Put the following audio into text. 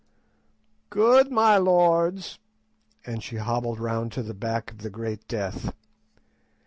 "Good, my lords;" and she hobbled round to the back of the great Death.